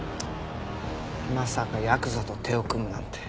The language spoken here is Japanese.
まさかヤクザと手を組むなんて。